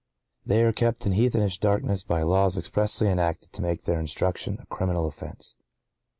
They are kept in heathenish darkness by laws expressly enacted to make their instruction a criminal offence.